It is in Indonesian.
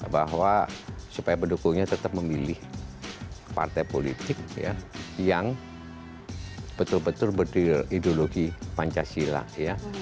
bahwa supaya pendukungnya tetap memilih partai politik yang betul betul berideologi pancasila ya